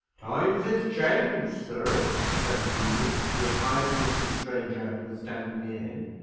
"Times has changed, sir," said the beadle, to an idle looking stranger who was standing near him.